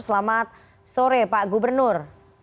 selamat sore pak gubernur